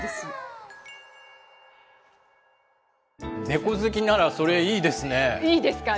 ネコ好きならそれ、いいですか。